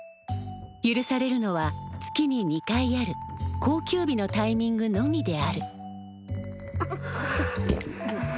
許されるのは月に２回ある公休日のタイミングのみである。